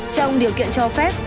trong điều kiện cho phép